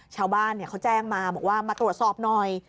ชาวบ้านเขาแจ้งมาบอกว่ามาตรวจสอบหน่อย